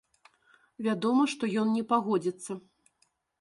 Вядома, што ён не пагодзіцца.